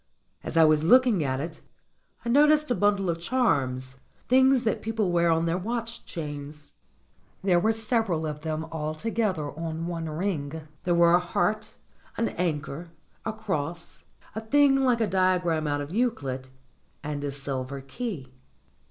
As I was looking at it, I noticed a bundle of charms, things that people wear on their watch chains. There were several of them alto gether on one ring; there were a heart, an anchor, a cross, a thing like a diagram out of Euclid, and a silver key.